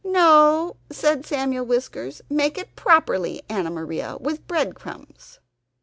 "No," said Samuel Whiskers, "make it properly, Anna Maria, with breadcrumbs."